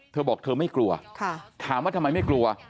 เธอบอกเธอไม่กลัวถามว่าทำไมไม่กลัว